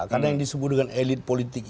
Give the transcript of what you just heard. karena yang disebut dengan elit politik itu